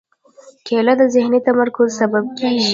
کېله د ذهني تمرکز سبب کېږي.